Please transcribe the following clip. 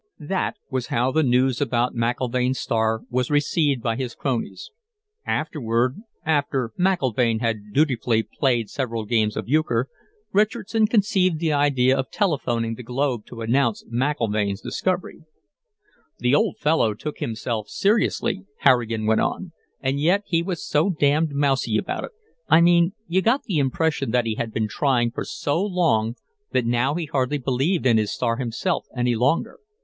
That was how the news about McIlvaine's Star was received by his cronies. Afterward, after McIlvaine had dutifully played several games of euchre, Richardson conceived the idea of telephoning the Globe to announce McIlvaine's discovery. "The old fellow took himself seriously," Harrigan went on. "And yet he was so damned mousy about it. I mean, you got the impression that he had been trying for so long that now he hardly believed in his star himself any longer.